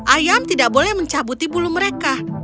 ayam tidak boleh mencabuti bulu mereka